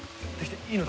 いいの？